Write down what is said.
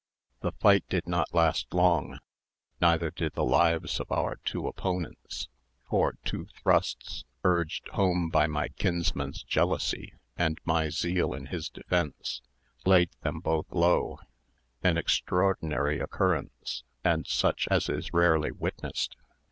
The fight did not last long, neither did the lives of our two opponents; for two thrusts, urged home by my kinsman's jealousy and my zeal in his defence, laid them both low—an extraordinary occurrence, and such as is rarely witnessed.